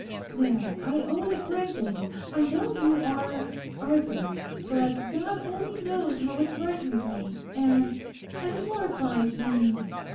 Now, I own it frankly, I know you are—Arthur. But God only knows how it frightens me, and—and—horrifies me.